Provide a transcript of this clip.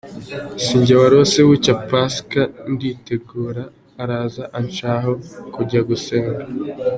Si jye warose bucya kuri Pasika nditegura araza ancaho tujya gusenga.